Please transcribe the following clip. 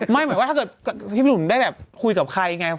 ไม่หมายถึงพี่หนุ่มได้แบบพูดแบบคุยกับใครไง